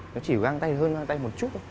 nó chỉ găng tay hơn găng tay một chút thôi